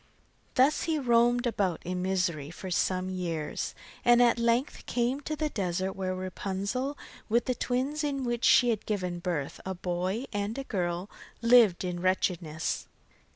Thus he roamed about in misery for some years, and at length came to the desert where Rapunzel, with the twins to which she had given birth, a boy and a girl, lived in wretchedness.